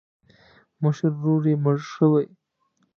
مشر ورور یې مړ شوی.